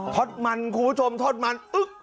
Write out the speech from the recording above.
ท็อตมันคุณผู้ชมท็อตมัน